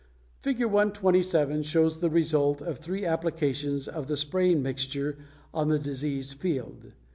Fig. 127 shows the result of three applications of the spraying mixture on the diseased field.